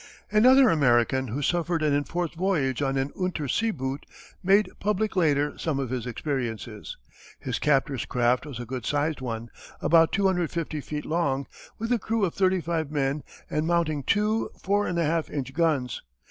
Another American who suffered an enforced voyage on an unterseeboot made public later some of his experiences. His captor's craft was a good sized one about 250 feet long, with a crew of 35 men and mounting two 4 1/2 inch guns.